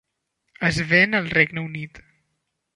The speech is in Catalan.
Es ven al Regne Unit.